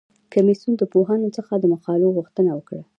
کمیسیون د پوهانو څخه د مقالو غوښتنه وکړه.